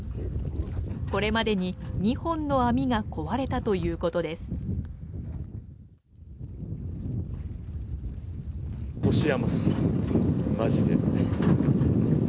これまでに２本の網が壊れたということです。